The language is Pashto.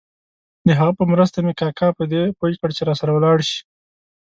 د هغه په مرسته مې کاکا په دې پوه کړ چې راسره ولاړ شي.